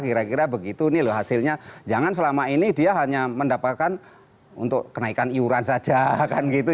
kira kira begitu nih loh hasilnya jangan selama ini dia hanya mendapatkan untuk kenaikan iuran saja kan gitu